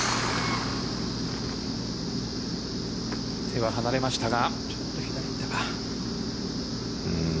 手は離れましたが。